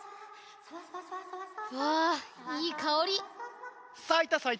わあいいかおり！